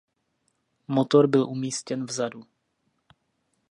Motor byl umístěn vzadu.